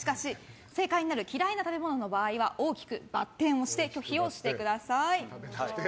正解となる嫌いな食べ物の場合は大きくバッテンをして拒否をしてください。